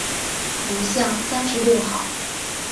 五巷三十六号